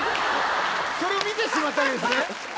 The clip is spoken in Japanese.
それを見てしまったんですね。